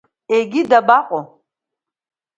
Егьи дабаҟоу?